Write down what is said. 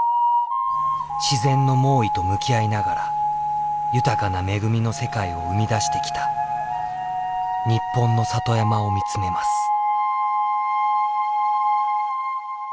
自然の猛威と向き合いながら豊かな恵みの世界を生み出してきた日本の里山を見つめます。